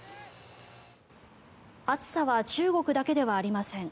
暑さは中国だけではありません。